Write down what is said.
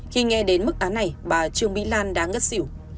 khi nghe đến mức án này bà trương mỹ lan đã ngất xỉu